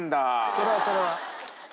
それはそれは。